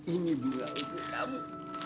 ini bunga untuk kamu